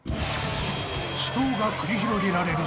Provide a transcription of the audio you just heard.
死闘が繰り広げられる世界大会